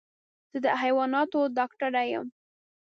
زه د حيواناتو ډاکټر يم.